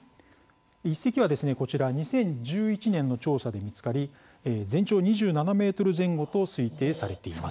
一隻はこちら２０１１年の調査で見つかり全長２７ｍ前後と推定されています。